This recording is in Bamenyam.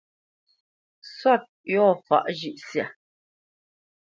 Sɔ̂t yɔ̂ faʼ njʉ̂ʼsyâ.